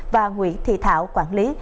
và nguyễn thị thảo quản lý